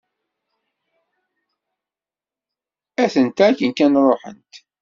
Atent-a akken kan ruḥent.